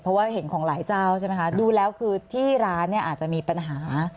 เพราะว่าเห็นของหลายเจ้าใช่ไหมคะดูแล้วคือที่ร้านเนี่ยอาจจะมีปัญหา